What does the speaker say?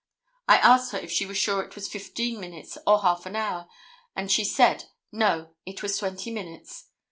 I asked her if she was sure it was fifteen minutes or half an hour, and she said, 'No, it was twenty minutes.